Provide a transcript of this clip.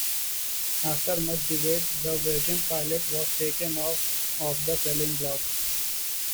After much debate, "The Virginian-Pilot" was taken off of the selling block.